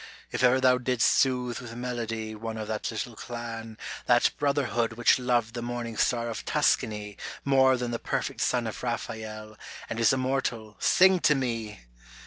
If ever thou didst soothe with melody One of that little clan, that brotherhood Which loved the morning star of Tuscany More than the perfect son of Raphael And is immortal, sing to me